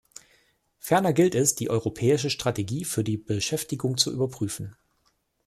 Ferner gilt es, die europäische Strategie für die Beschäftigung zu überprüfen.